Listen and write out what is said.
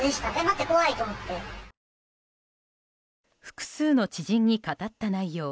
複数の知人に語った内容。